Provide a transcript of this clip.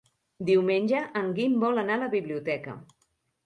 Diumenge en Guim vol anar a la biblioteca.